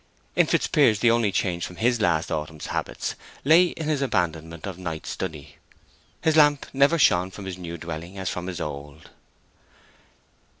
In Fitzpiers, the only change from his last autumn's habits lay in his abandonment of night study—his lamp never shone from his new dwelling as from his old.